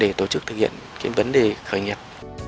để tổ chức thực hiện cái vấn đề khởi nghiệp